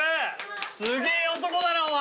すげえ男だなお前。